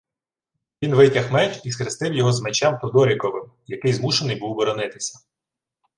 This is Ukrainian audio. Він витяг меч і схрестив його з Мечем Тодоріковим, який змушений був боронитися.